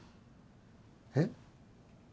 えっ？